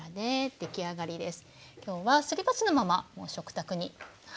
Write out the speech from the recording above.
出来上がりです。